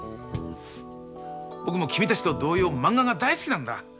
僕も君たちと同様まんがが大好きなんだ。